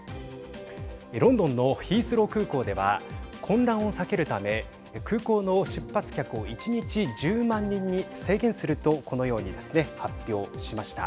ロンドンのヒースロー空港では混乱を避けるため空港の出発客を１日１０万人に制限すると、このようにですね発表しました。